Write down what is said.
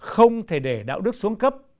không thể để đạo đức xuống cấp